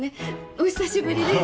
お久しぶりです。